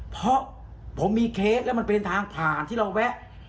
เพราะผมมีเคสแล้วมันเป็นทางผ่านที่เราแวะ